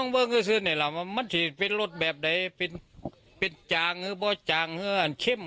เป็นอะไรบ่อตอกลัวทิ้งเวทย์ลองที่เรียกเป็นกฎ